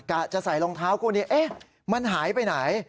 จะใส่รองเท้าคู่นี้มันหายไปไหน